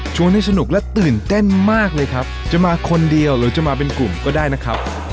ให้สนุกและตื่นเต้นมากเลยครับจะมาคนเดียวหรือจะมาเป็นกลุ่มก็ได้นะครับ